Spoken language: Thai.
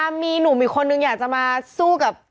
อะมีหนูหนูมีคนนึงอยากจะมาซกับ